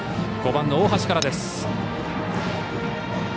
５番の大橋からです。